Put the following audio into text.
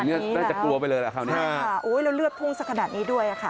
เข็มแรกสักขนาดนี้แล้วใช่ค่ะแล้วเลือดพุ่งสักขนาดนี้ด้วยค่ะ